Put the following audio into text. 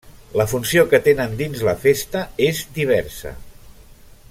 La funció que tenen dins la festa és diversa.